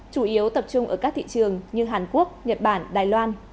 chủ yếu tập trung ở các thị trường như hàn quốc nhật bản đài loan